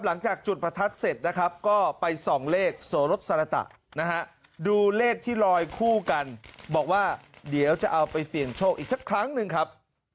หลังจากจุดประทัดเสร็จนะครับก็ไปส่องเลขโสรสสรตะนะฮะดูเลขที่ลอยคู่กันบอกว่าเดี๋ยวจะเอาไปเสี่ยงโชคอีกสักครั้งหนึ่งครับ